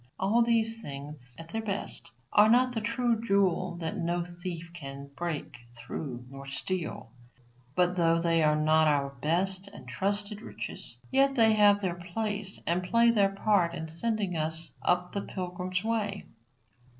All these things, at their best, are not the true jewel that no thief can break through nor steal; but though they are not our best and truest riches, yet they have their place and play their part in sending us up the pilgrim way.